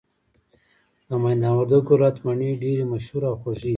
د ميدان وردګو ولايت مڼي ډيري مشهوره او خوږې دي